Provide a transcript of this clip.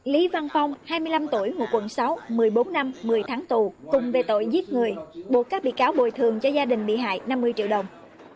lý văn phong hai mươi năm tuổi ngụ quận sáu một mươi bốn năm một mươi tháng tù cùng về tội giết người buộc các bị cáo bồi thường cho gia đình bị hại năm mươi triệu đồng